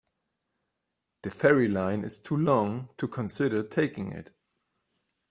The ferry line is too long to consider taking it.